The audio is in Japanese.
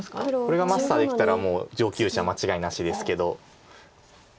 これがマスターできたらもう上級者間違いなしですけど。